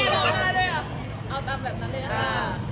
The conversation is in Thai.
เอาตามแบบนั้นเลยค่ะ